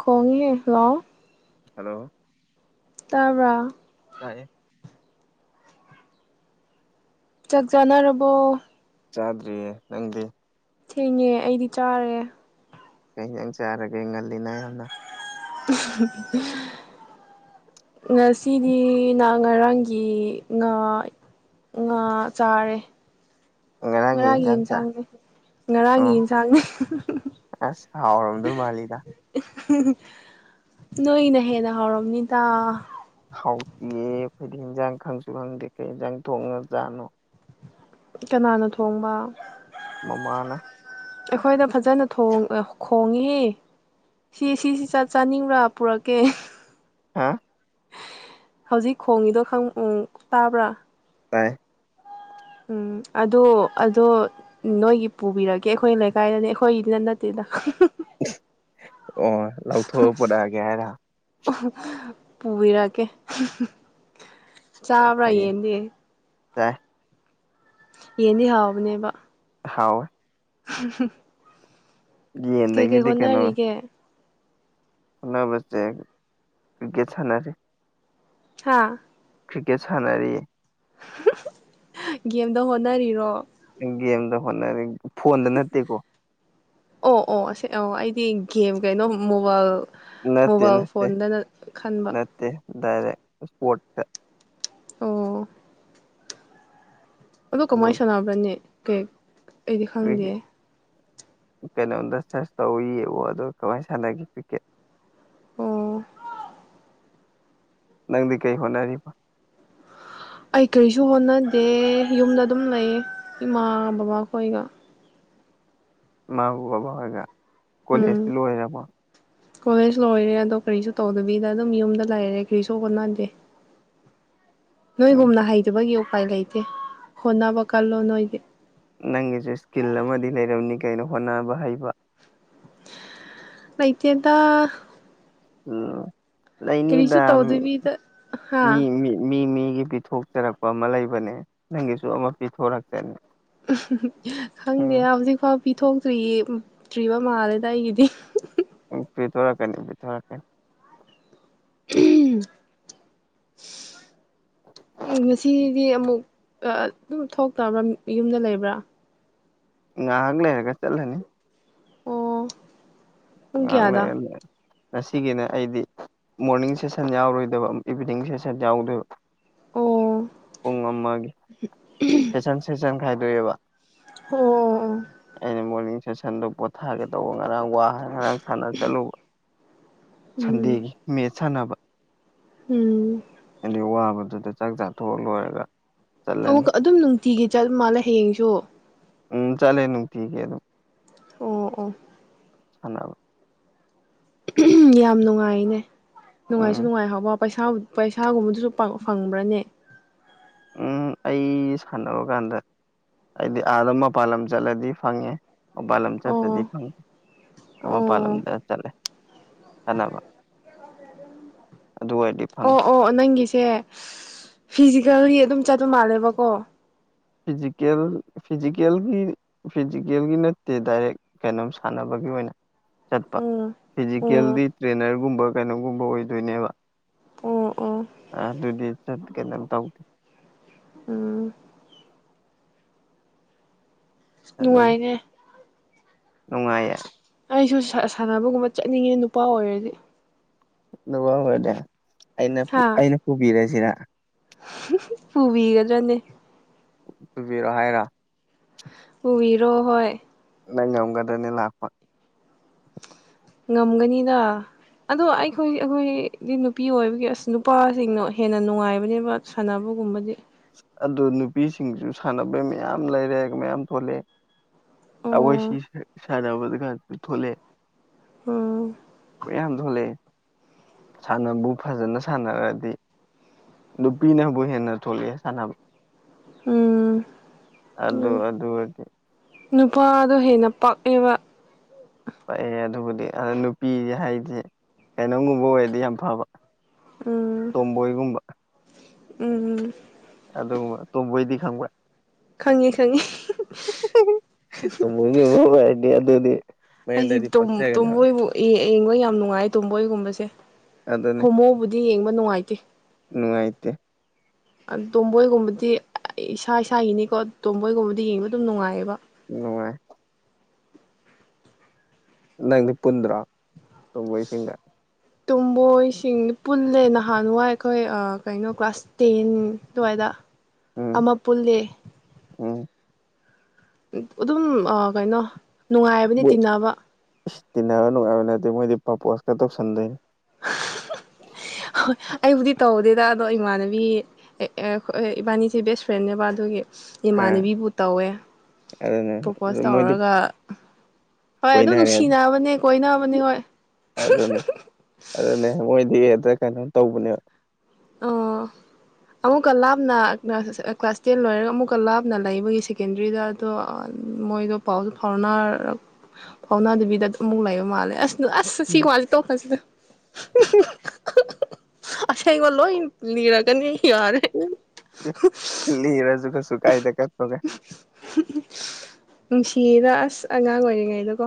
ꯈꯣꯡꯉꯦ hello hello ꯇꯔꯥ ꯆꯥꯏ ꯆꯥꯛ ꯆꯥꯅꯔꯕꯣ ꯆꯥꯗ꯭ꯔꯤꯌꯦ ꯅꯪꯗꯤ ꯊꯦꯡꯉꯦ ꯑꯩꯗꯤ ꯆꯥꯔꯦ ꯀ ꯍꯖꯥꯡ ꯆꯥꯔꯒꯦ ꯉꯜꯂꯤꯅ ꯌꯥꯝꯅ ꯉꯁꯤꯗꯤ ꯉꯍ ꯉꯔꯥꯡꯒꯤ ꯉꯥ ꯉꯥ ꯆꯥꯔꯦ ꯉꯔꯥꯡꯒꯤ ꯉꯔꯥꯒꯤ ꯏꯟꯖꯥꯡ ꯆꯥ ꯌꯦꯟꯁꯥꯡꯁꯦ ꯉꯔꯥꯡꯒꯤ ꯑꯣ ꯌꯦꯟꯁꯥꯡꯅꯤ ꯑꯁ ꯍꯥꯎꯔꯝꯗꯣꯏ ꯃꯥꯜꯂꯤꯗ ꯅꯣꯏꯅ ꯍꯦꯟꯅ ꯍꯥꯎꯔꯝꯅꯤꯗ ꯍꯥꯎꯇꯤꯌꯦ ꯑꯩꯈꯣꯏꯗꯤ ꯏꯟꯖꯥꯡ ꯈꯪꯁꯨ ꯈꯪꯗꯦ ꯀꯩ ꯌꯦꯟꯖꯥꯡ ꯊꯣꯡꯉꯖꯥꯠꯅꯣ ꯀꯅꯥꯅ ꯊꯣꯡꯕ ꯃꯃꯥꯅ ꯑꯩꯈꯣꯏꯗ ꯐꯖꯅ ꯈꯣꯡꯏ ꯁꯤ ꯁꯤꯁꯤ ꯆꯥꯛ ꯆꯥꯅꯤꯡꯕ꯭ꯔꯥ ꯄꯨꯔꯛꯀꯦ ꯍꯥ ꯍꯧꯖꯤꯛ ꯈꯣꯡꯉꯤꯗꯣ ꯈꯪ ꯇꯥꯕ꯭ꯔꯥ ꯇꯥꯏ ꯎꯝ ꯑꯗꯣ ꯑꯗꯣ ꯅꯣꯏꯒꯤ ꯄꯨꯕꯤꯔꯛꯒꯦ ꯑꯩꯈꯣꯏ ꯂꯩꯀꯥꯏꯗꯅꯦ ꯑꯩꯈꯣꯏꯗꯤꯗ ꯅꯠꯇꯦꯗ ꯑꯣ ꯂꯧꯊꯣꯛꯑ ꯄꯨꯣꯔꯛꯑꯒꯦ ꯍꯥꯏꯔ ꯑꯣ ꯄꯨꯕꯤꯔꯛꯀꯦ ꯆꯥꯕ꯭ꯔꯥ ꯌꯦꯟꯗꯤ ꯇ ꯌꯦꯟꯗꯤ ꯍꯥꯎꯕꯅꯦꯕ ꯍꯥꯎ [unintelligible] ꯀꯩ ꯀꯩ ꯌꯦꯟꯗꯒꯤꯗꯤ ꯍꯣꯠꯅꯔꯤꯒꯦ ꯍꯣꯅꯕꯁꯦ ꯀ꯭ꯔꯤꯀꯦꯠ ꯁꯥꯟꯅꯔꯤꯦ ꯍꯥꯥ ꯀ꯭ꯔꯤꯀꯦꯠ ꯁꯥꯟꯅꯔꯤ ꯒꯦꯝꯗ ꯍꯣꯠꯅꯔꯤꯔꯣ ꯒꯦꯝꯗ ꯍꯣꯠꯅꯔꯤ ꯐꯣꯟꯗ ꯅꯠꯇꯦꯀꯣ ꯑꯣ ꯑꯣꯁ ꯑꯣ ꯑꯩꯗꯤ ꯒꯦꯝ ꯀꯩꯅꯣ ꯃꯣꯕꯥꯏꯜ ꯃꯣꯕꯥꯏꯜ ꯐꯣꯟꯗꯅ ꯈꯟꯕ ꯇꯦ ꯗꯥꯏꯔꯦꯛ ꯁ꯭ꯄꯣꯔꯠꯇ ꯑꯣ ꯑꯗꯣ ꯑꯗꯨ ꯀꯃꯥꯏꯅ ꯁꯥꯟꯅꯕ꯭ꯔꯅꯤ ꯀꯦꯛ ꯑꯩꯗꯤ ꯈꯪꯗꯦ ꯀ꯭ꯔꯤꯀꯦ ꯀꯩꯅꯣꯝꯗ ꯁꯔꯁ ꯇꯧ ꯌꯦꯡꯉꯣ ꯑꯗꯨꯒ ꯀꯃꯥꯏꯅ ꯁꯥꯟꯅꯒꯦ ꯀ꯭ꯔꯤꯛꯀꯦꯠ ꯑꯣ ꯅꯪꯗꯤ ꯀꯩ ꯍꯣꯠꯅꯔꯤꯕ ꯑꯩ ꯀꯔꯤꯁꯨ ꯍꯣꯠꯅꯗꯦ ꯌꯨꯝꯗ ꯑꯗꯨꯝ ꯂꯩ ꯏꯃꯥ ꯕꯕꯥꯈꯣꯏꯒ ꯏꯃꯥ ꯕꯕꯥ ꯍꯣꯏꯒ ꯀꯣꯂꯦꯖꯇꯤ ꯎꯝ ꯂꯣꯏꯔꯕꯣ ꯀꯣꯂꯦꯖ ꯂꯣꯏꯔꯦ ꯑꯗꯣ ꯀꯔꯤꯁꯨ ꯇꯧꯗꯕꯤꯗ ꯑꯗꯨꯝ ꯌꯨꯝꯗ ꯂꯩꯔꯦ ꯀꯔꯤꯁꯨ ꯍꯣꯠꯅꯗꯦ [inaudible] ꯎꯝ ꯅꯣꯏꯒꯨꯝꯅ ꯍꯩꯇꯕꯒꯤ ꯎꯄꯥꯏ ꯂꯩꯇꯦ ꯍꯣꯠꯅꯕ ꯀꯜꯂꯣ ꯅꯣꯏꯗꯤ ꯅꯪꯒꯤꯁꯨ ꯏꯁꯀꯤꯜ ꯑꯃꯗꯤ ꯂꯩꯔꯝꯅꯤ ꯀꯩꯅꯣ ꯍꯣꯠꯅꯕ ꯍꯩꯕ ꯂꯩꯇꯦꯗ ꯎꯝ ꯀꯔꯤꯁꯨ ꯂꯩꯅꯤꯗ ꯃꯤ ꯇꯧꯗꯕꯤꯗ ꯍꯥ ꯃꯤ ꯃꯤ ꯃꯤ ꯃꯤꯒꯤ ꯄꯤꯊꯣꯛꯆꯔꯛꯄ ꯑꯃ ꯂꯩꯕꯅꯦ ꯅꯪꯒꯤꯁꯨ ꯑꯃ ꯄꯤꯊꯣꯔꯛꯆꯅꯤ ꯈꯪꯗꯦ ꯎꯝ ꯍꯧꯖꯤꯛꯐꯥꯎ ꯄꯤꯊꯣꯛꯇ꯭ꯔꯤꯇ꯭ꯔꯤꯕ ꯃꯥꯜꯂꯦꯗ ꯑꯩꯒꯤꯗꯤ ꯄꯤꯊꯣꯔꯀꯅꯤ ꯄꯤꯊꯣꯔꯛꯀꯅꯤ ꯉꯁꯤꯗꯤ ꯑꯃꯨꯛ ꯑꯗꯨꯝ ꯊꯣꯛꯇꯕ꯭ꯔꯥ ꯌꯨꯝꯗ ꯂꯩꯕ꯭ꯔꯥ ꯉꯍꯥꯛ ꯂꯩꯔꯒ ꯆꯠꯂꯅꯤ ꯑꯣ ꯄꯨꯡ ꯉꯥꯛ ꯀꯌꯥꯗ ꯂꯩꯔ [unintelligible] ꯉꯁꯤꯒꯤꯅ ꯑꯩꯗꯤ ꯃꯣꯔꯅꯤꯡ ꯁꯦꯁꯟ ꯌꯥꯎꯔꯣꯏꯗꯕ ꯏꯚꯤꯅꯤꯡ ꯁꯦꯁꯟ ꯌꯥꯎꯗꯣꯏꯕ ꯑꯣ ꯄꯨꯡ ꯑꯃꯒꯤ ꯁꯦꯁꯟ ꯁꯦꯁꯟ ꯈꯥꯏꯗꯣꯛꯑꯦꯕ ꯑꯣ ꯑꯣ ꯑꯣ ꯑꯩꯅ ꯃꯣꯔꯅꯤꯡ ꯁꯦꯁꯟꯗꯣ ꯄꯣꯊꯥꯒꯦ ꯇꯧꯕ ꯉꯔꯥꯡ ꯋꯥ ꯉꯔꯥꯡ ꯁꯥꯟꯅ ꯆꯠꯂꯨꯕ ꯎꯝ ꯁꯟꯗꯦꯒꯤ ꯃꯦꯠꯁ ꯁꯥꯟꯅꯕ ꯎꯝ ꯍꯥꯏꯗꯤ ꯋꯥꯕꯗꯨꯗ ꯆꯥꯛ ꯆꯥꯊꯣꯛꯑ ꯂꯣꯏꯔꯒ ꯑꯃꯨꯛ ꯆꯠꯂꯅꯤ ꯑꯗꯨꯝ ꯅꯨꯡꯇꯤꯒꯤ ꯆꯠ ꯃꯥꯜꯂꯦ ꯍꯌꯦꯡꯁꯨ ꯎꯝ ꯆꯠꯂꯦ ꯅꯨꯡꯇꯤꯒꯤ ꯑꯗꯨꯝ ꯑꯣ ꯑꯣ ꯁꯥꯅꯕ ꯌꯥꯝ ꯅꯨꯡꯉꯥꯏꯅꯦ ꯅꯨꯡꯉꯥꯏꯁꯨ ꯎꯝ ꯅꯨꯡꯉꯥꯏ ꯍꯥꯎꯕ ꯄꯁꯥ ꯄꯩꯁꯥꯒꯨꯝꯕꯗꯨꯁꯨ ꯐꯪꯕ꯭ꯔꯅꯦ ꯎꯝ ꯑꯩ ꯁꯥꯟꯅꯕ ꯀꯥꯟꯗ ꯍꯥꯏꯗꯤ ꯑꯥꯗ ꯃꯄꯥꯟ ꯂꯝ ꯆꯠꯂꯗꯤ ꯐꯪꯉꯦ ꯃꯄꯥꯟ ꯂꯝ ꯆꯠꯇ꯭ꯔꯗꯤ ꯑꯣ ꯐꯪ ꯑꯥ ꯃꯄꯥꯟ ꯑꯣ ꯂꯝꯗ ꯆꯠꯂꯦ ꯁꯥꯟꯅꯕ ꯑꯗꯨ ꯑꯣꯏꯔꯗꯤ ꯐꯪ ꯑꯣ ꯑꯣ ꯅꯪꯒꯤꯁꯦ ꯐꯤꯖꯤꯀꯦꯜꯒꯤ ꯑꯗꯨꯝ ꯆꯠꯄ ꯃꯥꯜꯂꯦꯕꯀꯣ ꯐꯤꯖꯤꯀꯦꯜ ꯐꯤꯖꯤꯀꯦꯜꯒꯤ ꯐꯤꯖꯤꯀꯦꯜꯒꯤ ꯅꯠꯇꯦ ꯗꯥꯏꯔꯦꯛ ꯀꯩꯅꯣꯝ ꯁꯥꯟꯅꯕꯒꯤ ꯑꯣꯏꯅ ꯆꯠꯄ ꯎꯝ ꯑꯣ ꯐꯤꯖꯤꯀꯦꯜꯗꯤ ꯇ꯭ꯔꯦꯅꯔꯒꯨꯝꯕ ꯀꯩꯅꯣꯒꯨꯝꯕ ꯑꯣꯏꯗꯣꯏꯅꯦꯕ ꯑꯣ ꯑꯣ ꯑꯗꯨꯗꯤ ꯆꯠ ꯀꯩꯅꯣꯝ ꯇꯧꯗꯦ ꯎꯝ ꯑꯗꯨꯒꯤ ꯅꯨꯡꯉꯥꯏꯅꯦ ꯅꯨꯡꯉꯥꯏꯌꯦ ꯑꯩꯁꯨ ꯁꯥꯟꯅꯕꯒꯨꯝꯕ ꯆꯠꯅꯤꯡꯉꯦ ꯅꯨꯄꯥ ꯑꯣꯏꯔꯗꯤ ꯅꯨꯄꯥ ꯑꯣꯏꯔꯗꯤ ꯑꯩꯅ ꯑꯩꯅ ꯄꯨꯕꯤꯔꯁꯤꯔ ꯐꯨꯕꯤꯒꯗ꯭ꯔꯅꯦ ꯇꯨꯕꯤꯔꯣ ꯍꯥꯏꯔꯣ ꯄꯨꯕꯤꯔꯣ ꯍꯣꯏ ꯅꯪ ꯉꯝꯒꯗ꯭ꯔꯅꯦ ꯂꯥꯛꯄ ꯉꯝꯒꯅꯤꯗ ꯑꯗꯣ ꯑꯩꯈꯣꯏ ꯑꯩꯈꯣꯏꯗꯤ ꯅꯨꯄꯤ ꯑꯣꯏꯕꯒꯤ ꯑꯁ ꯅꯨꯄꯥꯁꯤꯡꯅꯣ ꯍꯦꯟꯅ ꯅꯨꯡꯉꯥꯏꯕꯅꯦꯕ ꯁꯥꯟꯅꯕꯒꯨꯝꯕꯗꯤ ꯑꯗꯨ ꯅꯨꯄꯤꯁꯤꯡꯁꯨ ꯁꯥꯟꯅꯕ ꯃꯌꯥꯝ ꯂꯩꯔꯦ ꯃꯌꯥꯝ ꯊꯣꯛꯣꯂꯛꯑꯦ ꯑꯈꯣꯏꯁꯤ ꯑꯣ ꯁꯥꯅꯕꯗꯨꯀꯥꯟ ꯄꯨꯊꯣꯛꯂꯛꯑꯦ ꯎꯝ [unintelligible] ꯌꯥꯝ ꯊꯣꯛꯂꯛꯑꯦ ꯁꯥꯟꯅꯕꯕꯨ ꯐꯖꯅ ꯁꯥꯟꯅꯔꯗꯤ ꯅꯨꯄꯤꯅꯕꯨ ꯍꯦꯟꯅ ꯊꯣꯛꯂꯛꯑꯦ ꯁꯥꯟꯅꯕ ꯎꯝ ꯑꯗꯨ ꯑꯗꯨ ꯑꯣꯏꯗꯤ ꯅꯨꯄꯥꯗꯣ ꯍꯦꯟꯅ ꯄꯥꯛꯑꯦꯕ ꯄꯛꯑꯦ ꯑꯗꯨꯕꯨꯗꯤ ꯑ ꯅꯨꯄꯤꯁꯦ ꯍꯥꯏꯗꯤ ꯀꯩꯅꯣꯝꯒꯨꯝꯕ ꯑꯣꯏꯔꯗꯤ ꯌꯥꯝ ꯐꯕ ꯎꯝ ꯇꯣꯝꯕꯣꯏꯒꯨꯝꯕ ꯎꯝ ꯑꯗꯨꯒꯨꯝꯕ ꯇꯣꯝꯕꯣꯏꯗꯤ ꯈꯪꯕ꯭ꯔ ꯈꯪꯉꯦ ꯈꯪꯉꯦ [unintelligible] ꯑꯗꯨꯗꯤ ꯑꯩꯖꯤ ꯃꯌꯦꯟꯗꯗꯤ ꯇꯣꯝ ꯄꯛꯆꯒꯗꯕ ꯇꯣꯝꯕꯣꯏꯕꯨ ꯌꯦꯡ ꯌꯦꯡꯕ ꯌꯥꯝ ꯅꯨꯡꯉꯥꯏꯌꯦ ꯇꯣꯝꯕꯣꯏꯒꯨꯝꯕꯁꯦ ꯑꯗꯨꯅꯤ ꯍꯣꯃꯣꯕꯨꯗꯤ ꯌꯦꯡꯕ ꯅꯨꯡꯉꯥꯏꯇꯦ ꯅꯨꯡꯉꯥꯏꯇꯦ ꯇꯣꯝꯕꯣꯏꯒꯨꯝꯕꯗꯤ ꯑꯩ ꯏꯁꯥ ꯏꯁꯥꯒꯤꯅꯤꯀꯣ ꯇꯣꯝꯕꯣꯏꯒꯨꯝꯕꯗꯤ ꯌꯦꯡꯕ ꯑꯗꯨꯝ ꯅꯨꯡꯉꯥꯏꯌꯦꯕ ꯅꯨꯉꯥꯏ ꯅꯪꯗꯤ ꯄꯨꯟꯗ꯭ꯔꯣ ꯇꯨꯝꯕꯣꯏꯁꯤꯡꯒ ꯇꯨꯝꯕꯣꯏꯁꯤꯡꯗꯤ ꯄꯨꯜꯂꯦ ꯅꯍꯥꯟꯋꯥꯏ ꯑꯩꯈꯣꯏ ꯑ ꯀꯩꯅꯣ ꯀ꯭ꯂꯥꯁ ꯇꯦꯟ ꯑꯗꯨꯋꯥꯏꯗ ꯎꯝ ꯑꯃ ꯄꯨꯜꯂꯦ ꯎꯝ ꯎꯝ ꯑꯗꯨꯝ ꯑ ꯀꯩꯅꯣ ꯅꯨꯡꯉꯥꯏꯕꯅꯤ ꯇꯤꯟꯅꯕ ꯏꯁ ꯇꯤꯟꯅꯕ ꯅꯨꯡꯉꯥꯏꯕ ꯅꯠꯇꯦ ꯃꯣꯏꯗꯤ ꯄ꯭ꯔꯄꯣꯁꯀ ꯇꯧꯁꯟꯗꯣꯏꯅꯤ ꯍꯣꯏ ꯑꯩꯕꯨꯗꯤ ꯇꯧꯗꯦꯗ ꯑꯗꯣ ꯏꯃꯥꯟꯅꯕꯤ ꯏꯕꯥꯅꯤꯁꯦ ꯕꯦꯁ ꯐ꯭ꯔꯦꯟꯅꯦꯕ ꯑꯗꯨꯒꯤ ꯑꯥ ꯏꯃꯥꯟꯅꯕꯤꯕꯨ ꯇꯧꯋꯦ ꯑꯗꯨꯅꯦ ꯄ꯭ꯔꯣꯄꯣꯁ ꯃꯣꯏꯗꯤ ꯇꯧꯔꯒ ꯍꯣꯏ ꯑꯗꯨꯝ ꯀꯣꯏꯅꯔꯦ ꯅꯨꯡꯁꯤꯅꯕꯅꯦ ꯀꯣꯏꯅꯕꯅꯦ ꯍꯣꯏ ꯑꯗꯨꯅꯦ [unintelligible] ꯑꯗꯨꯅꯦ ꯃꯣꯏꯗꯤ ꯑꯗ ꯀꯩꯅꯣ ꯇꯧꯕꯅꯦ ꯑꯥ ꯑꯃꯨꯛꯀ ꯂꯥꯞꯅ ꯀ꯭ꯂꯥꯁ ꯇꯦꯟ ꯂꯣꯏꯔꯒ ꯑꯃꯨꯛꯀ ꯂꯥꯞꯅ ꯂꯩꯕꯒꯤ ꯁꯦꯀꯦꯟꯗꯔꯤꯗ ꯑꯗꯣ ꯃꯣꯏꯗꯣ ꯄꯥꯎꯗꯣ ꯐꯥꯎꯅꯔꯛ ꯐꯥꯎꯅꯗꯕꯤꯗ ꯑꯃꯨꯛ ꯂꯩꯕ ꯃꯥꯜꯂꯦ ꯑꯁ ꯑꯁ ꯁꯤ ꯋꯥꯁꯦ ꯇꯣꯛꯈ꯭ꯔꯁꯤꯗ [unintelligible] ꯂꯣꯏ ꯂꯤꯔꯒꯅꯤ ꯌꯥꯔꯦ [unintelligible] ꯂꯤꯔꯁꯨ ꯀꯁꯨ ꯀꯥꯏꯗꯦ [unintelligible] [unintelligible] ꯅꯨꯡꯁꯤꯌꯦꯗ ꯑꯁ ꯑꯉꯥꯡ ꯑꯣꯏꯔꯤꯉꯩꯗꯣ ꯀꯣ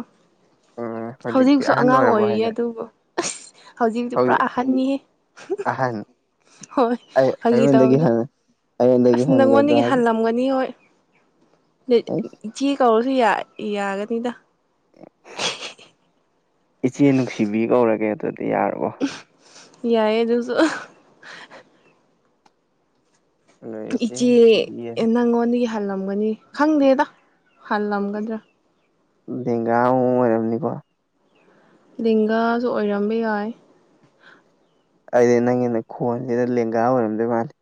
ꯎꯝ ꯍꯧꯖꯤꯛꯇꯤ ꯍꯧꯖꯤꯛꯁꯨ ꯑꯍꯟ ꯑꯉꯥꯡ ꯑꯣꯏꯔꯕꯣ ꯑꯣꯏꯔꯤꯌꯦ ꯍꯥꯏꯁꯦ ꯑꯗꯨꯕꯨ ꯑꯁ ꯍꯧꯖꯤꯛꯛꯇꯤ ꯄꯨꯔꯥ ꯍꯧꯖꯤꯛ ꯑꯍꯟꯅꯤꯍꯦ ꯑꯍꯟ ꯍꯣꯏ ꯑꯩ ꯐꯥꯒꯤ ꯑꯩꯉꯣꯟꯗꯒꯤ ꯇꯧꯅꯦ ꯍꯟ ꯑꯩꯉꯣꯟꯗꯒꯤ ꯑꯁ ꯍꯟꯒꯗ꯭ꯔꯥ ꯅꯪꯉꯣꯟꯗꯒꯤ ꯍꯥꯏꯁꯦ ꯍꯜꯂꯝꯒꯅꯤ ꯍꯣꯏ ꯑꯩꯁ [unintelligible] ꯏꯆꯦ ꯀꯧꯔꯁꯨ ꯌꯥ ꯌꯥꯒꯅꯤꯗ ꯏꯆꯦ ꯅꯨꯡꯁꯤꯕꯤ ꯀꯧꯔꯒꯦ ꯑꯗꯨꯗꯤ ꯌꯥꯔꯕꯣ ꯌꯥꯏꯌꯦ ꯑꯗꯨꯁꯨ ꯂꯣꯏꯔꯤꯁꯦ ꯏꯆꯦ ꯅꯨꯡꯁꯤꯕꯤꯑꯅ ꯅꯪꯉꯣꯟꯗꯒꯤ ꯍꯜꯂꯝꯒꯅꯤ ꯈꯪꯗꯦꯗ ꯍꯜꯂꯝꯒꯗ꯭ꯔꯥ ꯂꯦꯡꯒꯥꯒꯨꯝꯕ ꯑꯣꯏꯔꯝꯅꯤꯀꯣ ꯂꯦꯡꯒꯥꯁꯨ ꯑꯣꯏꯔꯝꯕ ꯌꯥꯏ ꯑꯩꯗꯤ ꯅꯪꯒꯤ ꯅꯈꯣꯟꯁꯤꯗ ꯂꯦꯡꯒꯥ ꯑꯣꯏꯔꯝꯗꯣꯏ ꯃꯥꯜꯂꯤ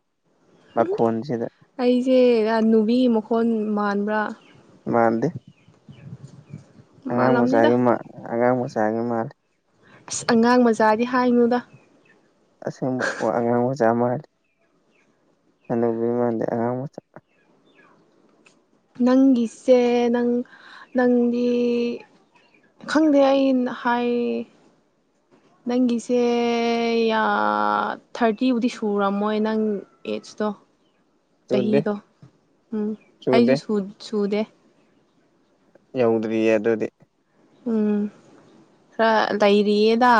ꯃꯈꯣꯟꯁꯤꯗ ꯑꯩꯁꯦ ꯍꯅꯨꯕꯤꯒꯤ ꯃꯈꯣꯟ ꯃꯥꯟꯕ꯭ꯔꯥ ꯃꯥꯟꯗꯦ ꯑꯉꯥꯡ ꯃꯥꯜꯂꯝꯅꯤꯗ ꯃꯆꯥꯒꯤ ꯃꯥ ꯑꯉꯥꯡ ꯃꯆꯥꯒꯤ ꯃꯥꯜꯂꯦ ꯑꯁ ꯑꯉꯥꯡ ꯃꯆꯥꯗꯤ ꯍꯥꯏꯅꯨꯗ ꯑꯁꯦꯡꯕ ꯀꯣ ꯑꯉꯥꯡ ꯃꯆꯥ ꯃꯥꯜꯂꯤ ꯍꯥꯅꯨꯕꯤ ꯃꯥꯟ ꯗꯦ [inaudible] ꯅꯪꯒꯤꯁꯦ ꯅꯪ ꯅꯪꯒꯤ ꯈꯪꯗꯦ ꯑꯩ ꯅ ꯍꯥꯏ ꯅꯪꯒꯤꯁꯦ ꯌꯥ ꯊꯥꯔꯇꯤꯕꯨꯗꯤ ꯁꯨꯔꯝꯃꯣꯏ ꯅꯪ ꯑꯩꯠꯁꯇꯣ ꯆꯨꯗꯦ ꯆꯍꯤꯗꯣ ꯎꯝ ꯆꯨꯗꯦ ꯑꯩꯁꯨ ꯁꯨ ꯁꯨꯗꯦ ꯌꯧꯗ꯭ꯔꯤꯌꯦ ꯑꯗꯨꯗꯤ ꯎꯝ ꯈꯔ ꯂꯩꯔꯤꯌꯦꯗ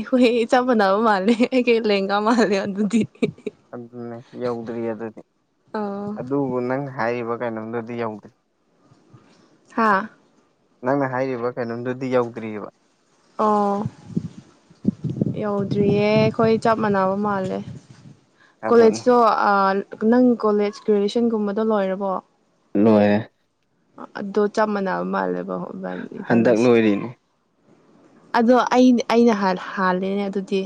ꯣꯏ ꯍꯩ ꯆꯕꯅꯕꯨ ꯃꯥꯜꯂꯦ ꯀꯩ ꯂꯦꯍꯦꯒꯥꯥ ꯃꯥꯜꯂꯦ ꯑꯗꯤ ꯑꯗꯨꯅꯦ ꯌꯧꯗ꯭ꯔꯤ ꯑꯗꯨꯗꯤ ꯑꯣ ꯑꯗꯨꯕꯨ ꯅꯪ ꯍꯥꯏꯔꯤꯕ ꯀꯩꯅꯣꯝꯗꯨꯗꯤ ꯌꯧꯗ꯭ꯔꯤ ꯍꯥꯥ ꯅꯪꯅ ꯍꯥꯏꯔꯤꯕ ꯀꯩꯅꯣꯝꯗꯨꯗꯤ ꯌꯧꯗ꯭ꯔꯤꯑꯕ ꯑꯣ ꯌꯧꯗ꯭ꯔꯤꯌꯦ ꯑꯩꯈꯣꯏ ꯆꯞ ꯃꯥꯟꯅꯕ ꯃꯥꯜꯂꯦ ꯑꯗꯨꯅꯤ ꯀꯣꯂꯦꯖꯇꯣ ꯑ ꯅꯪ ꯀꯣꯂꯦꯖ ꯒ꯭ꯔꯦꯖꯨꯋꯦꯁꯟꯒꯨꯝꯕꯗꯣ ꯂꯣꯏꯔꯕꯣ ꯂꯣꯏꯌꯦ ꯑꯗꯣ ꯆꯥ ꯃꯥꯅꯕ ꯃꯥꯜꯂꯦꯕ ꯍꯣ ꯍꯟꯗꯛ ꯂꯣꯏꯔꯤꯅꯤ ꯑꯗꯣ ꯑꯩ ꯑꯩꯅ ꯍꯥꯜꯂꯦꯅꯦ ꯑꯗꯨꯗꯤ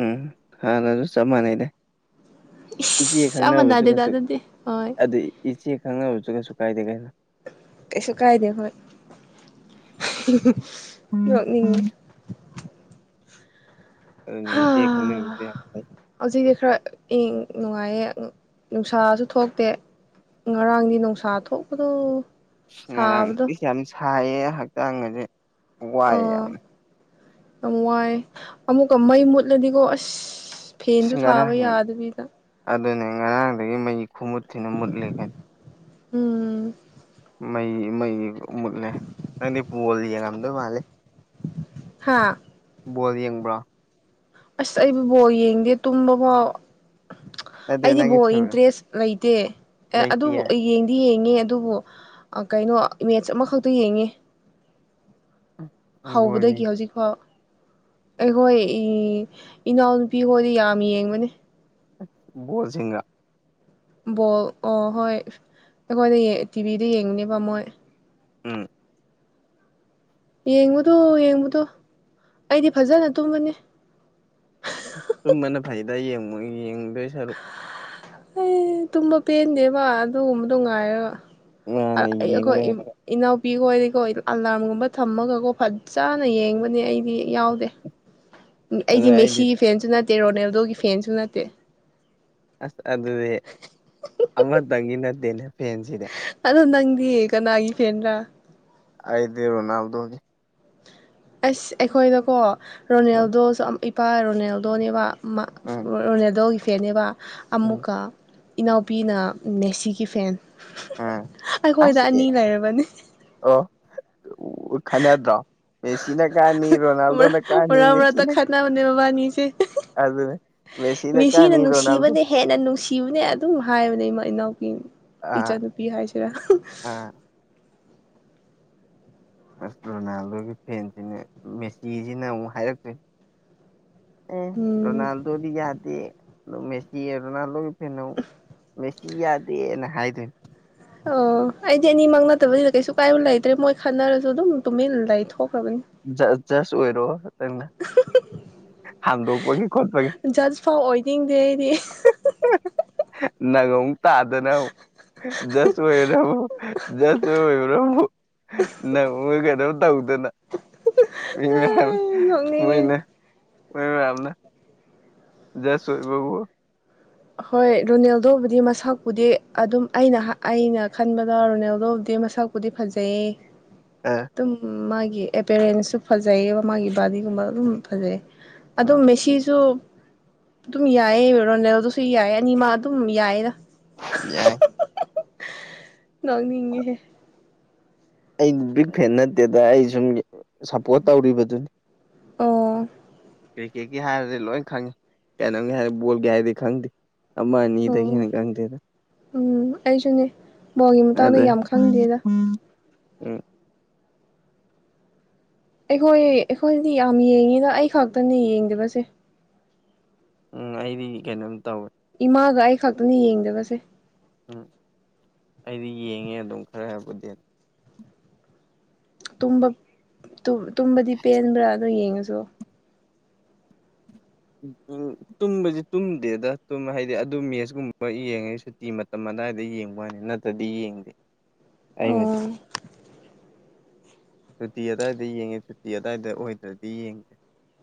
ꯎꯝ ꯍꯥꯟꯅꯁꯨ ꯆꯞ ꯃꯥꯟꯅꯩꯗ ꯏꯆꯦ ꯏꯁ ꯆꯞ ꯈꯪꯅꯕꯁꯨ ꯃꯥꯟꯅꯗꯦꯗ ꯀꯩꯁꯨ ꯑꯗꯨꯗꯤ ꯍꯣꯏ ꯑꯗꯨ ꯏꯆꯦ ꯈꯪꯅꯕꯁꯨ ꯀꯩꯁꯨ ꯀꯥꯏꯗꯦ ꯀꯩꯅꯣ ꯫ ꯀꯩꯁꯨ ꯀꯥꯏꯗꯦ ꯍꯣꯏ ꯎꯝ ꯌꯣꯛꯅꯤꯡꯉꯦ ꯎꯝ [unintelligible] ꯍꯧꯖꯤꯛꯇꯤ ꯈꯔ ꯏꯪ ꯅꯨꯡꯉꯥꯏꯌꯦ ꯅꯨꯡꯁꯥꯁꯨ ꯊꯣꯛꯇꯦ ꯉꯔꯥꯡꯗꯤ ꯅꯨꯡꯁꯥ ꯊꯣꯛꯄꯗꯣ ꯉꯔꯥꯡꯗꯤ ꯁꯥꯕꯗꯣ ꯌꯥꯝ ꯁꯥꯏꯌꯦ ꯍꯛꯆꯥꯡ ꯒꯁꯦ ꯋꯥꯏꯑꯦ ꯑꯥ ꯌꯥꯝ ꯌꯥꯝ ꯋꯥꯏ ꯑꯃꯨꯛꯀ ꯃꯩ ꯃꯨꯠꯂꯗꯤꯀꯣ ꯑꯁ ꯑꯁ ꯐꯦꯟꯁꯨ ꯊꯥꯕ ꯉꯔꯥꯡ ꯌꯥꯗꯕꯤꯗ ꯑꯗꯨꯅꯦ ꯉꯔꯥꯡꯗꯒꯤ ꯃꯩꯁꯦ ꯈꯨꯃꯨꯠ ꯊꯤꯅ ꯃꯨꯠꯂꯤ ꯀꯩꯅꯣ ꯎꯝ ꯃꯩ ꯃꯩ ꯃꯨꯠꯂ ꯅꯪꯗꯤ ꯄꯣꯜ ꯌꯦꯡꯉꯝꯗꯣꯏ ꯃꯥꯜꯂꯦ ꯍꯥꯥ ꯕꯣꯜ ꯌꯦꯡꯕ꯭ꯔꯥ ꯑꯁ ꯑꯩꯕꯨ ꯕꯣꯜ ꯌꯦꯡꯗꯦ ꯇꯨꯝꯕ ꯐꯥꯎ ꯅꯠꯇꯦ ꯑꯩꯗꯤ ꯅꯪꯒꯤ ꯕꯣꯜ ꯐꯦꯚꯣꯔꯥꯏꯠ ꯏꯟꯇꯔꯦꯁ ꯂꯩꯇꯦ ꯑꯦ ꯑꯗꯨꯕꯨ ꯂꯩꯇꯤꯌꯦ ꯌꯦꯡꯗꯤ ꯌꯦꯡꯉꯦ ꯑꯗꯨꯕꯨ ꯀꯩꯅꯣ ꯏꯃꯦꯖ ꯑꯃꯈꯛꯇ ꯌꯦꯡꯉꯤ ꯎꯝ ꯍꯧꯕꯗꯒꯤ ꯍꯧꯖꯤꯛ ꯐꯥꯎ ꯑꯩꯈꯣꯏ ꯏꯅꯥꯎꯅꯨꯄꯤ ꯍꯣꯏꯗꯤ ꯌꯥꯝ ꯌꯦꯡꯕꯅꯦ [unintelligible] ꯕꯣꯜ ꯑꯣ ꯍꯣꯏ ꯑꯩꯈꯣꯏꯗ ꯇꯤꯚꯤꯗ ꯌꯦꯡꯅꯦꯕ ꯃꯣꯏ ꯎꯝ ꯌꯦꯡꯕꯗꯨ ꯌꯦꯡꯕꯗꯣ ꯑꯩꯗꯤ ꯐꯖꯅ ꯇꯨꯝꯕꯅꯤ ꯆꯨꯝꯕꯅ ꯐꯩꯗ ꯌꯦꯡꯉ ꯌꯦꯡꯗꯣꯏ ꯁꯔꯨꯛ ꯑꯩ ꯇꯨꯝꯕ ꯄꯦꯟꯗꯦꯕ ꯑꯗꯨꯒꯨꯝꯕꯗꯣ ꯉꯥꯏꯔꯒ ꯑ ꯃꯥꯅ ꯌꯦꯡ ꯑꯩꯈꯣꯏ ꯂꯩꯔꯦ ꯏꯅꯥꯎꯄꯤꯈꯣꯏꯗꯤꯀꯣ ꯑꯂꯔꯝꯒꯨꯝꯕ ꯊꯝꯃꯒꯀꯣ ꯐꯠꯖꯅ ꯌꯦꯡꯕꯅꯦ ꯑꯩꯗꯤ ꯌꯥꯎꯗꯦ ꯑꯩꯗꯤ ꯃꯦꯁꯤꯒꯤ ꯐꯦꯟꯁꯨ ꯅꯠꯇꯦ ꯔꯣꯅꯦꯜꯗꯣꯒꯤ ꯐꯦꯟꯁꯨ ꯅꯠꯇꯦ ꯑꯁ ꯑꯗꯨꯗꯤ ꯑꯃꯇꯪꯒꯤ ꯅꯠꯇꯦꯅꯦ ꯐꯦꯟꯁꯤꯅꯦ ꯑꯗꯣ ꯅꯪꯗꯤ ꯀꯅꯥꯒꯤ ꯐꯦꯟ꯭ꯔꯥ ꯑꯥꯏꯗ ꯏꯔ ꯅꯜꯗꯅꯤ ꯑꯁ ꯑꯩꯈꯣꯏꯗꯣꯀꯣ ꯎꯝ ꯔꯣꯅꯦꯜꯗꯣꯁꯨ ꯑꯝ ꯏꯄꯥ ꯔꯣꯅꯦꯜꯗꯣꯅꯦꯕ ꯎꯝ ꯔꯣꯅꯥꯜꯗꯣꯒꯤ ꯐꯦꯅꯦꯕ ꯎꯝ ꯑꯃꯨꯛꯀ ꯏꯅꯥꯎꯄꯤꯅ ꯃꯦꯁꯤꯒꯤ ꯐꯦꯟ ꯎꯝ ꯑꯩꯈꯣꯏꯗ ꯑꯁ ꯑꯅꯤ ꯑꯦ ꯂꯩꯔꯕꯅꯦ ꯑꯣ ꯈꯟꯅꯗ꯭ꯔꯣ ꯃꯦꯁꯤꯅ ꯀꯥꯅꯤ ꯔꯣꯅꯥꯜꯗꯣꯅ ꯀꯥꯅꯤ ꯃꯦꯁꯤ ꯅꯥꯕꯅꯦꯕꯕꯥꯅꯤꯁꯦ ꯑꯗꯨꯅꯦ ꯃꯦꯁꯤꯅ ꯃꯤꯁꯤꯅ ꯀꯥꯅꯤ ꯔꯣꯅꯥꯜꯗꯣ ꯅꯨꯡꯁꯤꯕꯅꯦ ꯍꯦꯟꯅ ꯅꯨꯡꯁꯤꯕꯅꯦ ꯑꯗꯨꯝ ꯍꯥꯏꯕꯅꯦ ꯏꯃꯥ ꯏꯅꯥꯎꯄꯤ ꯑꯥ ꯀꯔꯤ ꯍꯥꯏꯁꯤꯔ ꯑꯥ ꯑꯁ ꯔꯣꯅꯥꯜꯗꯣꯒꯤ ꯐꯦꯟꯁꯤꯅ ꯃꯦꯁꯤꯁꯤꯅ ꯑꯃꯨꯛ ꯍꯥꯏꯔꯛꯇꯣꯏꯅꯤ ꯑꯦ ꯎꯝ ꯔꯣꯅꯥꯜꯗꯣꯗꯤ ꯌꯥꯗꯦ ꯃꯦꯁꯤ ꯔꯣꯅꯥꯜꯗꯣ ꯐꯅꯣ ꯃꯦ ꯌꯥꯗꯦꯅ ꯍꯥꯏꯗꯣꯏꯅꯦ ꯑꯣ ꯑꯩꯗꯤ ꯑꯅꯤꯃꯛ ꯅꯠꯇꯕꯅꯤꯗ ꯀꯩꯁꯨ ꯀꯥꯏꯕ ꯂꯩꯇ꯭ꯔꯦ ꯃꯣꯏ ꯈꯟꯅꯔꯁꯨ ꯑꯗꯨꯝ ꯇꯨꯃꯤꯟꯅ ꯂꯩ ꯊꯣꯛꯈ꯭ꯔꯕꯅꯤ ꯖ ꯖꯁ ꯑꯣꯏꯔꯣ ꯇꯪꯅ ꯍꯥꯝꯗꯣꯛꯄꯒꯤ ꯈꯣꯠꯄꯒꯤ ꯐꯥꯎ ꯑꯣꯏꯣꯏꯗꯤꯡꯗꯦ ꯑꯩꯗꯤ ꯅꯪ ꯑꯃꯨꯛ ꯇꯥꯗꯅ ꯌꯥꯁꯁꯨ ꯑꯣꯏꯔꯕꯕꯨꯨ ꯆꯁ ꯑꯣꯏꯕ꯭ꯔꯕꯨꯨ ꯅꯒꯗ ꯇꯧꯗꯅ ꯃꯣꯏ ꯃꯌꯥꯝ ꯅꯣꯛꯅꯤꯡꯉꯦ ꯃꯣꯏꯅ ꯃꯣꯏ ꯃꯌꯥꯝꯅ ꯁꯣꯏ ꯕꯨ ꯍꯣꯏ ꯔꯣꯅꯦꯜꯗ ꯎꯕꯨꯗꯤ ꯃꯁꯛꯄꯨꯗꯤ ꯑꯗꯨꯝ ꯑꯩꯅ ꯑꯩꯅ ꯈꯟꯕꯗ ꯔꯣꯅꯦꯜꯗꯕꯨꯗꯤ ꯃꯁꯛ ꯕꯨꯗꯤ ꯐꯖꯩꯌꯦ ꯑꯥ ꯑꯗꯨꯝ ꯃꯥꯒꯤ ꯑꯦꯄꯤꯦꯔꯦꯟꯁꯁꯨ ꯐꯖꯩꯌꯦꯕ ꯃꯥꯒꯤ ꯕꯥꯗꯤꯒꯨꯝꯕ ꯑꯗꯨꯝ ꯐꯖꯩ ꯑꯗꯣ ꯎꯝ ꯃꯦꯁꯤꯁꯨ ꯑꯗꯨꯝ ꯌꯥꯏꯌꯦ ꯑꯣꯏꯔꯣꯅꯦ ꯁꯨꯏ ꯌꯥꯏ ꯑꯅꯤꯃ ꯑꯗꯨꯝ ꯌꯥꯏꯔ ꯌꯥꯏ ꯅꯤ ꯍꯦ ꯑꯩ ꯕꯤꯛ ꯐꯦꯟ ꯅꯠꯇꯦꯗ ꯑꯩ ꯁꯨꯝ ꯁꯞꯄꯣꯔꯠ ꯇꯧꯔꯤꯕꯗꯨꯅꯤ ꯑꯣ ꯀ꯭ꯔꯤꯛꯀꯦꯠꯀꯤ ꯍꯥꯏꯔꯗꯤ ꯂꯣꯏ ꯈꯪꯉꯤ ꯀꯩꯅꯣꯝꯒꯤ ꯍꯥꯏꯔꯗꯤ ꯕꯣꯜꯒꯤ ꯍꯥꯏꯔꯗꯤ ꯈꯪꯗꯦ ꯑꯃꯅꯤꯗꯒ ꯑꯣ ꯌꯦꯅ ꯀ ꯈꯪꯗꯦꯔ ꯎꯝ ꯑꯩꯁꯨꯅꯦ ꯕꯣꯜꯒꯤ ꯃꯇꯥꯡꯗ ꯑꯗꯦ ꯌꯥꯝ ꯈꯪꯗꯦꯗ ꯎꯝ ꯑꯩꯈꯣꯏ ꯑꯩꯈꯣꯏꯗꯗꯤ ꯌꯥꯝ ꯌꯦꯡꯉꯤꯕ ꯑꯩ ꯈꯛꯇꯅꯤ ꯌꯦꯡꯗꯕꯁꯦ ꯎꯝ ꯑꯩꯗꯤ ꯀꯩꯅꯣꯝ ꯇꯧꯋꯦ ꯏꯃꯥꯒ ꯑꯩ ꯈꯛꯇꯅ ꯌꯦꯡꯗꯕꯁꯦ ꯎꯝ ꯑꯩꯗꯤ ꯌꯦꯡꯉꯦ ꯑꯗꯨꯝ ꯈꯔ ꯍꯥꯏꯕꯨꯗꯤ ꯑꯗꯨ ꯇꯨꯝꯕꯗꯤ ꯄꯦꯟꯕ꯭ꯔꯥ ꯑꯗꯣ ꯌꯦꯡꯉꯁꯨ ꯎꯝ ꯇꯨꯝꯕꯁꯤ ꯇꯨꯝꯗꯦꯗꯨꯝ ꯍꯥꯏꯗꯤ ꯑꯗꯨ ꯃꯦꯠꯁꯀꯨꯝꯕ ꯌꯦꯡꯉꯦ ꯁꯨꯇꯤ ꯃꯇꯝ ꯑꯗꯨꯋꯥꯏꯗ ꯌꯦꯡꯕ ꯍꯥꯏꯅꯤ ꯅꯠꯇꯦ ꯇꯗꯤ ꯌꯦꯡꯗꯦ ꯑꯩꯃꯗꯤ [inaudible] ꯁꯨꯇꯤ ꯑꯋꯥꯏꯗ ꯌꯦꯡꯉꯦ ꯁꯨꯇꯤ ꯑꯋꯥꯏꯗ ꯑꯣꯏꯗ꯭ꯔꯗꯤ ꯌꯦꯡꯗꯦ